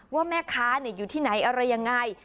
ว่าแม่ค้าอยู่ที่ไหนอะไรยังไง